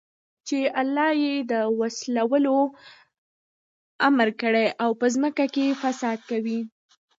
چې الله ئې د وصلَولو امر كړى او په زمكه كي فساد كوي